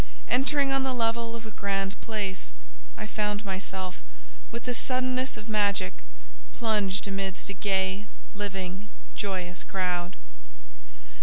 Entering on the level of a Grande Place, I found myself, with the suddenness of magic, plunged amidst a gay, living, joyous crowd.